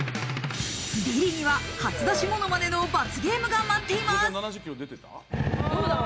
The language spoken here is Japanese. ビリには初出しモノマネの罰ゲームが待っています。